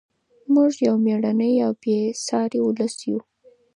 موږ یو مېړنی او بې ساري ولس یو.